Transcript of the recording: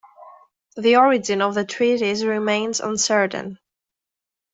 The origin of the treatise remains uncertain.